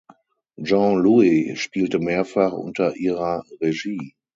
Jean-Louis spielte mehrfach unter ihrer Regie.